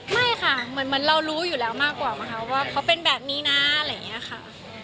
ไม่ค่ะเหมือนเรารู้อยู่แล้วมากกว่าไหมคะว่าเขาเป็นแบบนี้นะอะไรอย่างนี้ค่ะ